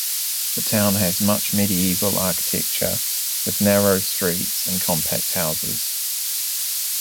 The town has much medieval architecture, with narrow streets and compact houses.